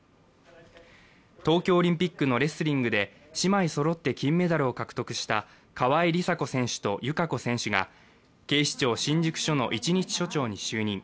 東京オリンピックのレスリングで姉妹そろって金メダルを獲得した川井梨紗子選手と友香子選手が、警視庁新宿署の一日署長に就任。